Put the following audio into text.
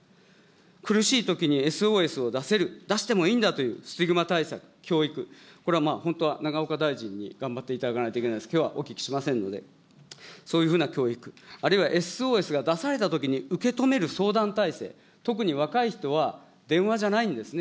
苦しいときにＳＯＳを出せる、出してもいいんだという、スティグマ対策、教育、これは本当は永岡大臣に頑張っていただかないといけないんですけど、きょうはお聞きしませんので、そういうふうな教育、あるいはＳＯＳが出されたときに受け止める相談体制、特に若い人は、電話じゃないんですね。